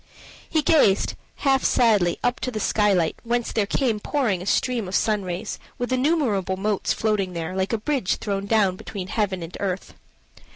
He gazed, half sadly, up to the skylight, whence there came pouring a stream of sunrays, with innumerable motes floating there, like a bridge thrown between heaven and earth.